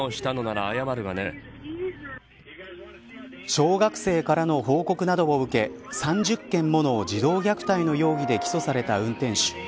小学生からの報告などを受け３０件もの児童虐待の容疑で起訴された運転手。